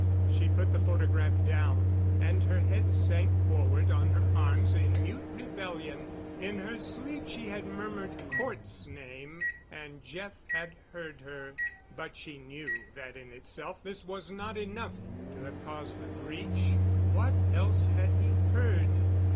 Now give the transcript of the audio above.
She put the photograph down, and her head sank forward on her arms in mute rebellion. In her sleep she had murmured Cort's name, and Jeff had heard her. But she knew that in itself this was not enough to have caused the breach. What else had he heard?